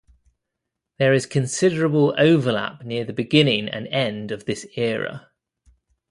There is considerable overlap near the beginning and end of this era.